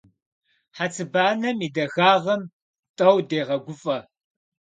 Хьэцыбанэм и дахагъэм тӀэу дегъэгуфӀэ.